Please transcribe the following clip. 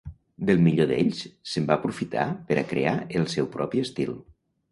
Del millor d'ells se'n va aprofitar per a crear el seu propi estil.